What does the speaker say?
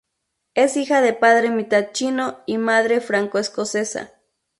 Es hija de padre mitad chino y madre franco-escocesa.